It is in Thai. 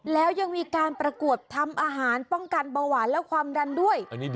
แล้วยังมีการประกวดทำอาหารป้องกันเบาหวานและความดันด้วย